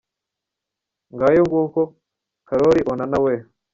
Ngayo nguko Karori Onana we !